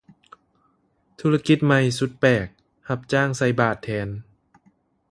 ທຸລະກິດໃໝ່ສຸດແປກ ຮັບຈ້າງໃສ່ບາດແທນ